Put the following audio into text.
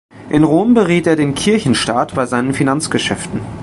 In Rom beriet er den Kirchenstaat bei seinen Finanzgeschäften.